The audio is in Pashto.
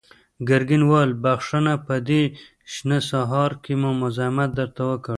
ګرګين وويل: وبخښه، په دې شنه سهار کې مو مزاحمت درته وکړ.